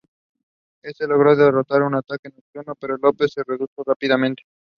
It flows south for into Clear Lake.